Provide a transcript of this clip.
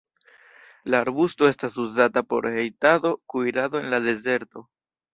La arbusto estas uzata por hejtado, kuirado en la dezerto.